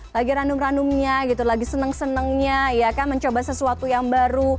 lagi randum randumnya gitu lagi seneng senengnya ya kan mencoba sesuatu yang baru